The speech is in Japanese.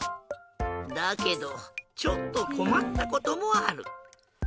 だけどちょっとこまったこともある。